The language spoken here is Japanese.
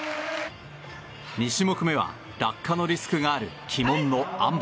２種目めは落下のリスクがある鬼門のあん馬。